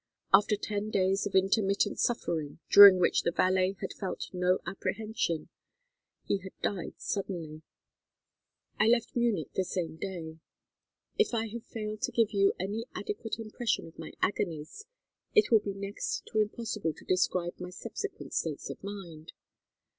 After ten days of intermittent suffering, during which the valet had felt no apprehension, he had died suddenly. "I left Munich the same day. If I have failed to give you any adequate impression of my agonies, it will be next to impossible to describe my subsequent states of mind.